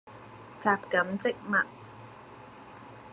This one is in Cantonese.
什錦漬物